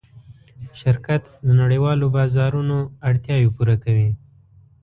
شرکت د نړۍوالو بازارونو اړتیاوې پوره کوي.